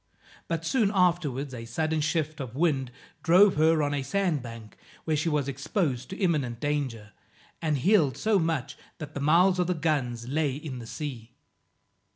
But soon afterwards, a sudden shift of wind drove her on a sand bank, where she was exposed to imminent danger, and heeled so much that the mouths of the guns lay in the sea.